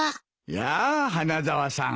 やあ花沢さん